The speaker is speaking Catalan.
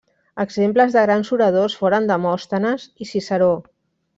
Exemples de grans oradors foren Demòstenes i Ciceró.